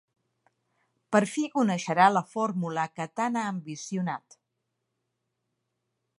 Per fi coneixerà la fórmula que tant ha ambicionat.